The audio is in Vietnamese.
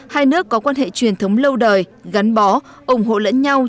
hai nước có quan hệ truyền thống lâu đời gắn bó ủng hộ lẫn nhau